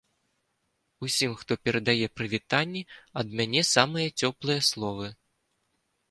Усім, хто перадае прывітанні, ад мяне самыя цёплыя словы.